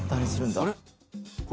あれ？